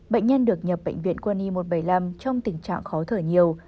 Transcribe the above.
bệnh nhân được nhập bệnh viện quân y một trăm bảy mươi năm trong tình trạng khó thở nhiều